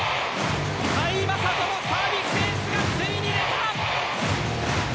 甲斐優斗のサービスエースがついに出た。